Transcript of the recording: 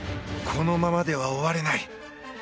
このままでは終われない。